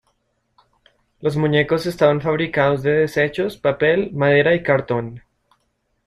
Los muñecos estaban fabricados de desechos, papel, madera y cartón.